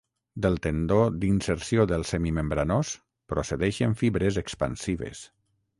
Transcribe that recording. Del tendó d'inserció del semimembranós procedeixen fibres expansives.